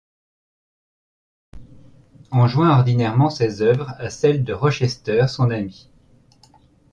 On joint ordinairement ses œuvres à celles de Rochester, son ami.